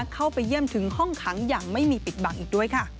เข้าไปเยี่ยมถึงห้องขังอย่างไม่มีปิดบังอีกด้วยค่ะ